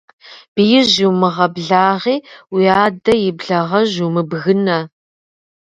Биижь умыгъэблагъи, уи адэ и благъэжь умыбгынэ.